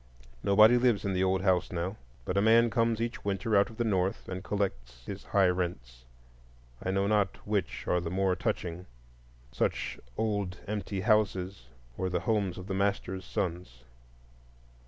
Nobody lives in the old house now, but a man comes each winter out of the North and collects his high rents. I know not which are the more touching,—such old empty houses, or the homes of the masters' sons.